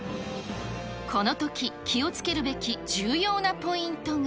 このとき、気をつけるべき重要なポイントが。